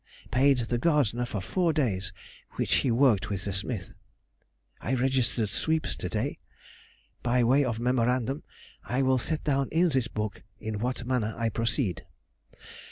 Paid the gardener for four days which he worked with the smith. I registered sweeps to day. By way of memorandum I will set down in this book in what manner I proceed.